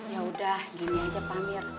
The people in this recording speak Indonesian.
ya udah gini aja pak amir